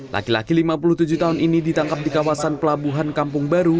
laki laki lima puluh tujuh tahun ini ditangkap di kawasan pelabuhan kampung baru